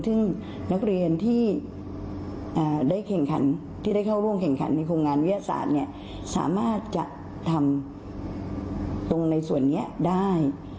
ซึ่งนักเรียนที่ได้แข่งขันที่ได้เข้าร่วมแข่งขันในโครงงานวิทยาศาสตร์เนี่ยสามารถจะทำตรงในส่วนนี้ได้